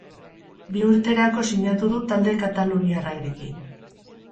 Bi urterako sinatu du talde kataluniarrarekin.